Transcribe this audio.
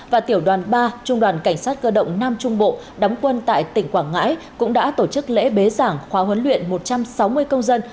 và tiểu đoàn ba trung đoàn cảnh sát cơ động nam trung bộ đóng quân tại tỉnh quảng ngãi cũng đã tổ chức lễ bế giảng khóa huấn luyện một trăm sáu mươi công dân